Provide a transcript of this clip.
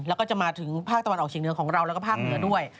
แล้วก็จะมาถึงภาคตะวันออกเฉียงเหนือของเราแล้วก็ภาคเหนือด้วย